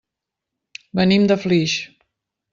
Venim de Flix.